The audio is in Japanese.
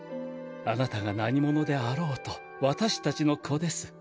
あなたが何者であろうと私たちの子です。